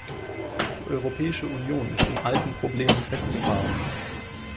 Die Europäische Union ist in alten Problemen festgefahren.